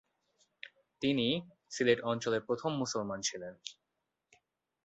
তিনি সিলেট অঞ্চলের প্রথম মুসলমান ছিলেন।